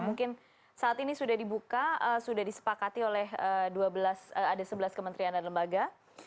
mungkin saat ini sudah dibuka sudah disepakati oleh dua belas ada sebelas kementerian dan lembaga